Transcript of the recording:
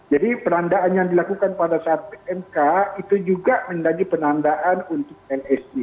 jadi penandaan yang dilakukan pada saat pmk itu juga mendaki penandaan untuk lsd